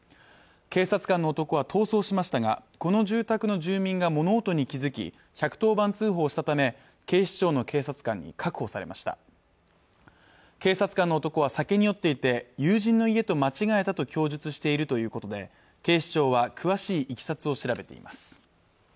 警察官の男は逃走しましたがこの住宅の住民が物音に気づき１１０番通報したため警視庁の警察官に確保されました警察官の男は酒に酔っていて友人の家と間違えたと供述しているということで警視庁は詳しいいきさつを調べています